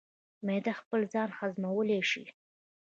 معده خپل ځان هضمولی شي.